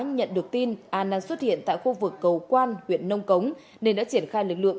nhận được tin an đang xuất hiện tại khu vực cầu quan huyện nông cống nên đã triển khai lực lượng